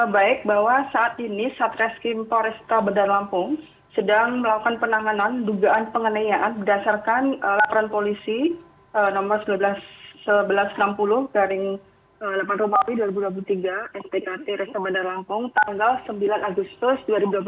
baik bahwa saat ini satres kimpo restoran bandar lampung sedang melakukan penanganan dugaan penganiayaan berdasarkan laporan polisi nomor seribu satu ratus enam puluh dari delapan rumpa wi dua ribu tiga spkt restoran bandar lampung tanggal sembilan agustus dua ribu dua puluh tiga